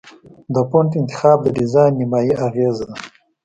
د فونټ انتخاب د ډیزاین نیمایي اغېزه ده.